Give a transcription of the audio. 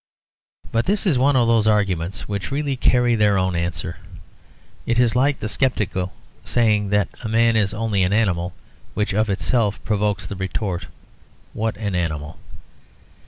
But this is one of those arguments which really carry their own answer. It is like the sceptical saying that man is only an animal, which of itself provokes the retort, "What an animal!"